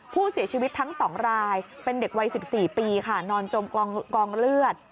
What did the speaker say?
ผู้เสียชีวิตทั้ง๒รายเป็นเด็กวัย๑๔ปีค่ะนอนจมกองเลือด